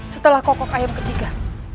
setelah kokok ayam ketiga